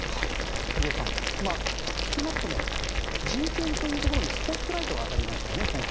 萩谷さん少なくとも人権というところにスポットライトは当たりましたよね、今回。